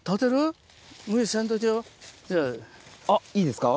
あっいいですか。